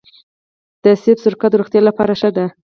د مڼې سرکه د روغتیا لپاره ښه ده.